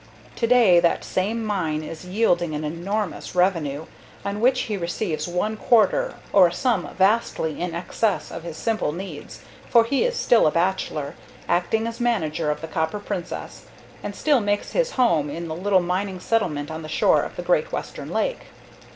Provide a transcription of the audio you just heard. Today that same mine is yielding an enormous revenue, of which he receives one quarter, or a sum vastly in excess of his simple needs, for he is still a bachelor, acting as manager of the Copper Princess, and still makes his home in the little mining settlement on the shore of the great Western lake.